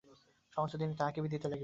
সমস্ত দিনই তাঁহাকে বিঁধিতে লাগিল।